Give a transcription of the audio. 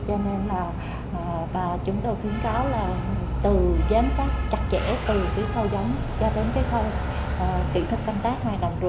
cho nên là bà chúng tôi khuyến cáo là từ giám tác chặt chẽ từ cái khâu giống cho đến cái khâu kỹ thuật canh tác ngoài đằng rượu